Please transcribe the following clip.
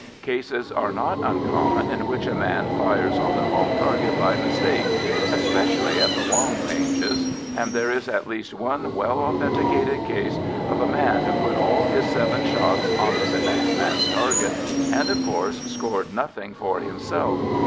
Cases are not uncommon in which a man fires on the wrong target by mistake, especially at the long ranges, and there is at least one well authenticated case of a man who put all his seven shots on to the next man's target, and of course scored nothing for himself.